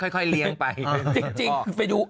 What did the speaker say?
ค่อยเที่ยงไป